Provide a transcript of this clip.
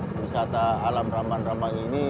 wisata alam ramah ramah ini